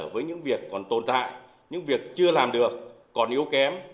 với những việc còn tồn tại những việc chưa làm được còn yếu kém